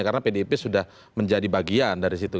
karena pdp sudah menjadi bagian dari situ